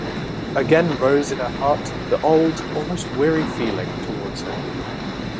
Again rose in her heart the old, almost weary feeling towards him.